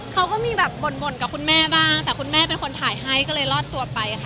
เขาก็มีแบบบ่นกับคุณแม่บ้างแต่คุณแม่เป็นคนถ่ายให้ก็เลยรอดตัวไปค่ะ